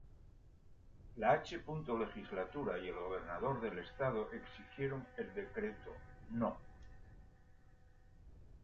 La H. Legislatura y el gobernador del estado, exigieron el decreto No.